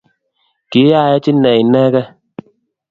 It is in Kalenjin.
Kiyaech Ine Inegei.